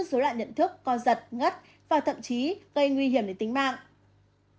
dối loạn nhận thức co giật ngất và thậm chí gây nguy hiểm đến tính mạng